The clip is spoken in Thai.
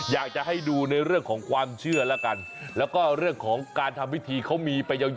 อยากจะให้ดูในเรื่องของความเชื่อแล้วกันแล้วก็เรื่องของการทำวิธีเขามีไปยาว